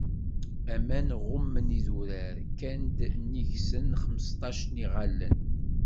Aman ɣummen idurar, kkan-d nnig-sen s xemseṭṭac n iɣallen.